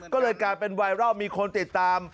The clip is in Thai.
ก็เลยกลายเป็นไวรัลมีคนติดตาม